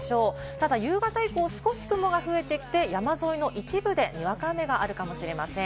ただ夕方以降、少し雲が増えてきて、山沿いの一部でにわか雨があるかもしれません。